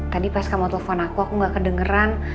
tadi pas kamu telepon aku aku gak kedengeran